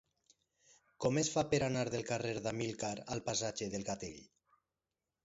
Com es fa per anar del carrer d'Amílcar al passatge del Gatell?